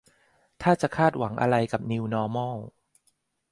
ถ้าจะคาดหวังอะไรกับ นิวนอร์มอล